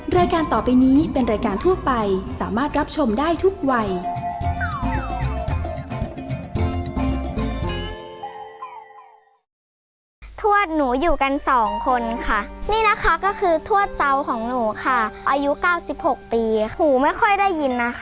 รายการต่อไปนี้เป็นรายการทั่วไปสามารถรับชมได้ทุกวัย